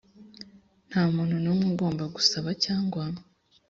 nta muntu n umwe ugomba gusaba cyangwa